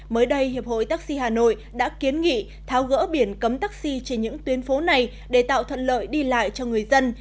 mới đây hiệp hội taxi hà nội đã kiến nghị tháo gỡ biển cấm taxi trên những tuyến phố này để tạo thuận lợi đi lại cho người dân